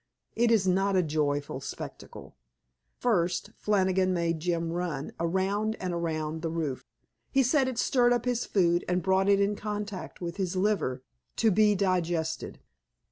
It is not a joyful spectacle. First, Flannigan made Jim run, around and around the roof. He said it stirred up his food and brought it in contact with his liver, to be digested.